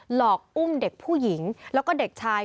หลอกอุ้มเด็กผู้หญิงแล้วก็เด็กชาย